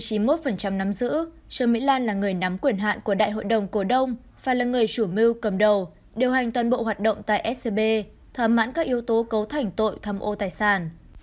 trương mỹ lan nắm giữ trương mỹ lan là người nắm quyền hạn của đại hội đồng cổ đông và là người chủ mưu cầm đầu điều hành toàn bộ hoạt động tại scb thoả mãn các yếu tố cấu thành tội thăm ô tài sản